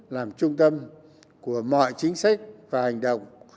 làm trung tâm của mọi chính sách và hành động